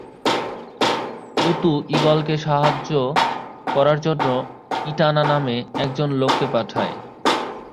উতু ঈগলকে সাহায্য করার জন্য ইটানা নামে একজন লোককে পাঠায়।